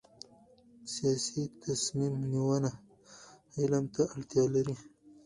سیاسي تصمیم نیونه علم ته اړتیا لري